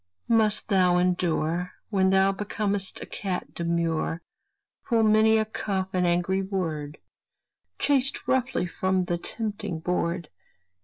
must thou endure, When thou becom'st a cat demure, Full many a cuff and angry word, Chased roughly from the tempting board.